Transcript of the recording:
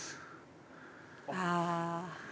ああ。